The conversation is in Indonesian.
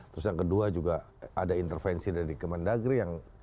terus yang kedua juga ada intervensi dari kemendagri yang